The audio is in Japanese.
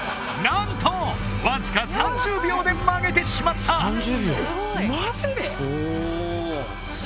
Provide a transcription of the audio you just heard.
何とわずか３０秒で曲げてしまったマジで？